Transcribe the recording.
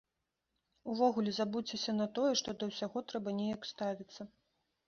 Увогуле, забудзьцеся на тое, што да ўсяго трэба неяк ставіцца.